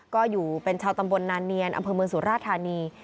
ก็อยู่เป็นชาวตำบลนาเนียนอำเภอเมืองสุราธานี